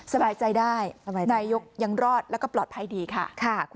สบายใจได้นายกยังรอดแล้วก็ปลอดภัยดีค่ะ